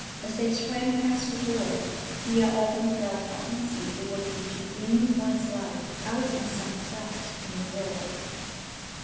As they swam past her door, Thea often felt how easy it would be to dream one's life out in some cleft in the world.